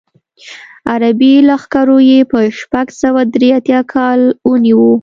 عربي لښکرو یې په شپږ سوه درې اتیا کال ونیو.